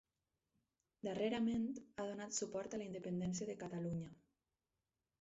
Darrerament ha donat suport a la independència de Catalunya.